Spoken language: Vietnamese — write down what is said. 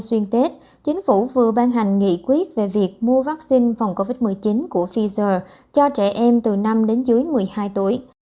xuyên tết chính phủ vừa ban hành nghị quyết về việc mua vaccine phòng covid một mươi chín của pfizer cho trẻ em từ năm đến dưới một mươi hai tuổi